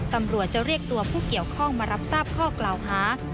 ตำรวจจะเรียกตัวผู้เกี่ยวข้องมารับทราบข้อกล่าวหา